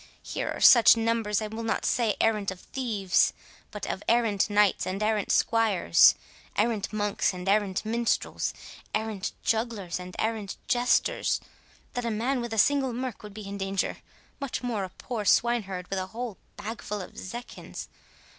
Here are such numbers, I will not say of arrant thieves, but of errant knights and errant squires, errant monks and errant minstrels, errant jugglers and errant jesters, that a man with a single merk would be in danger, much more a poor swineherd with a whole bagful of zecchins.